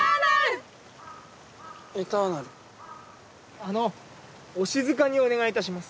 あのお静かにお願いいたします。